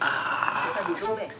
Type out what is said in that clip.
bisa duduk bek